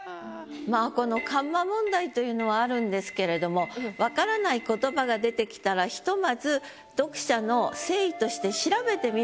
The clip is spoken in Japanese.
まあこのカンマ問題というのはあるんですけれどもわからない言葉が出てきたらひとまず読者の誠意として調べてみる。